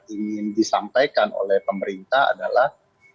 ingin disampaikan oleh pemerintah adalah